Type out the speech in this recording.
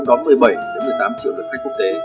đón một mươi bảy một mươi tám triệu lượt khách quốc tế